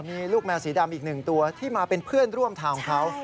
มีลูกแมวสีดำอีกหนึ่งตัวที่มาเป็นเพื่อนร่วมทางเขา